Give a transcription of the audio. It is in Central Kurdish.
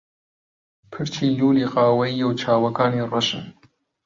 پرچی لوولی قاوەیییە و چاوەکانی ڕەشن.